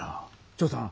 チョウさん